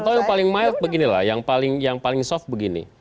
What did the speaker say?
atau yang paling mild beginilah yang paling soft begini